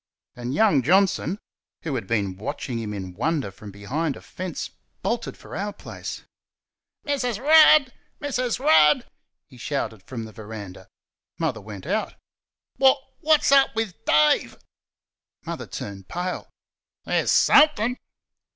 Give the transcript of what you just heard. And young Johnson, who had been watching him in wonder from behind a fence, bolted for our place. "Mrs. Rudd! Mrs. Rudd!" he shouted from the verandah. Mother went out. "Wot's wot's up with Dave?" Mother turned pale. "There's SOMETHING